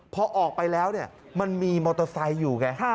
พอออกไปแล้วมันมีมอเตอร์ไซค์อยู่ไง